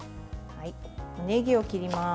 ねぎを切ります。